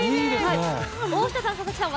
大下さん、佐々木さん